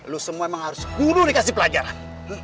lu semua memang harus guru dikasih pelajaran